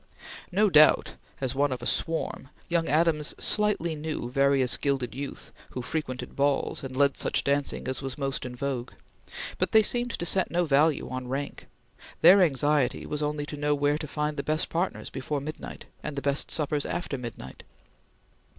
No doubt, as one of a swarm, young Adams slightly knew various gilded youth who frequented balls and led such dancing as was most in vogue, but they seemed to set no value on rank; their anxiety was only to know where to find the best partners before midnight, and the best supper after midnight.